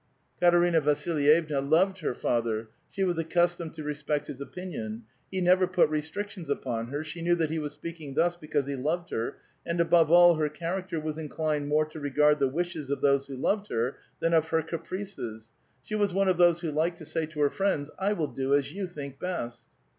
Katcrina Vasilvevna loved her father ; she was accustomed to respect his opinion; he never put restrictions upon her; she knew that he was speaking thus because he loved her ; and above all, her character was inclined more to regard the wishes of those who loved her than of her caprices ; she was one of those who liked to say to her friends, '^ I will do as you think best."